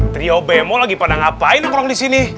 trio bemo lagi pada ngapain orang orang disini